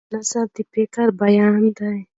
نثر د فکر بیان دی.